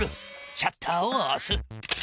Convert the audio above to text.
シャッターをおす。